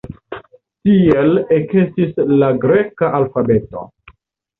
Tiel ekestis la greka alfabeto.